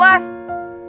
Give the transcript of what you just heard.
kayak seneng banget